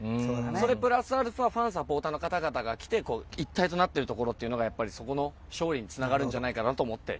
それプラスアルファファン、サポーターの方が来て一体となっているのがやっぱり勝利につながるんじゃないかと思って。